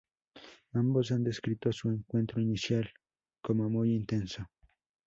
Ambos han descrito su encuentro inicial como muy intenso.